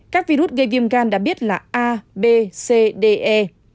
các virus gây viêm gan đã biết là a b c d e